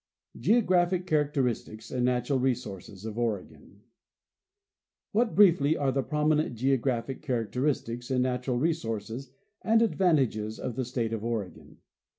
'" Geographic Characteristics and Natural Resources of Oregon. What, briefly, are the prominent geographic characteristics and natural resources and advantages of the state of Oregon?